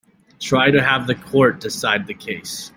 Try to have the court decide the case.